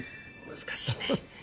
難しいね。